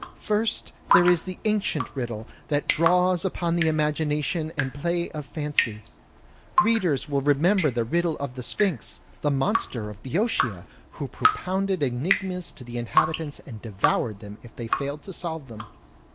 First there is the ancient Riddle, that draws upon the imagination and play of fancy. Readers will remember the riddle of the Sphinx, the monster of Boeotia, who propoxmded THE ETERNAL CURIOUS 7 enigmas to the inhabitants and devoured them if they failed to solve them.